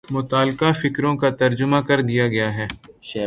متعلقہ فقروں کا ترجمہ کر دیا گیا ہے